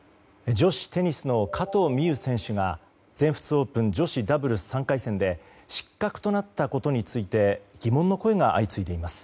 女子テニスの加藤未唯選手が全仏オープン女子ダブルス３回戦で失格となったことについて疑問の声が相次いでいます。